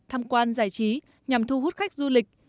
tham quan giải trí nhằm thu hút khách du lịch